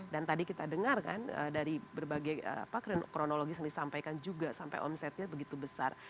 dan tadi kita dengar kan dari berbagai kronologi yang disampaikan juga sampai omsetnya begitu besar